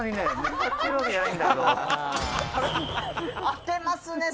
「当てますね